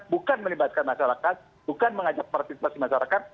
bukan melibatkan masyarakat bukan mengajak partisipasi masyarakat